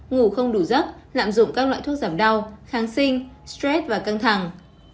ngủ không đủ giấc lạm dụng các loại thuốc giảm đau kháng sinh stress và căng thẳng